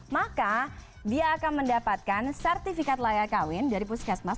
maka dia akan mendapatkan sertifikat layak kawin dari puskesmas